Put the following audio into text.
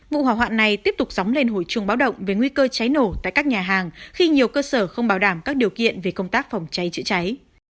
vụ hỏa hoạn này tiếp tục dóng lên hồi chuông báo động về nguy cơ cháy nổ tại các nhà hàng khi nhiều cơ sở không bảo đảm các điều kiện về công tác phòng cháy chữa cháy